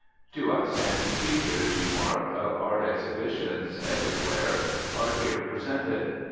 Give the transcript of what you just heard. Two outstanding features, you mark, of art exhibitions everywhere are here presented.